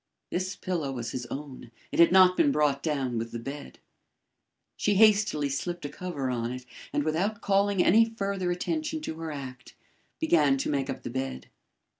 This pillow was his own; it had not been brought down with the bed. She hastily slipped a cover on it, and without calling any further attention to her act, began to make up the bed.